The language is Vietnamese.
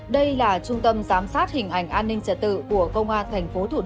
đây là trung tâm giám sát hình ảnh an ninh trật tự